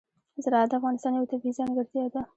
زراعت د افغانستان یوه طبیعي ځانګړتیا ده.